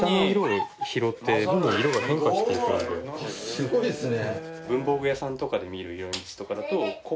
すごいですね。